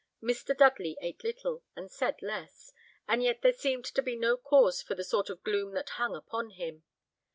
Mr. Dudley ate little, and said less; and yet there seemed to be no great cause for the sort of gloom that hung upon him.